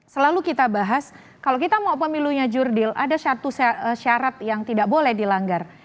selalu kita bahas kalau kita mau pemilunya jurdil ada satu syarat yang tidak boleh dilanggar